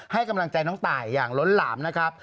ให้กำลังใจน้องตายอย่างล้นหลามนะครับ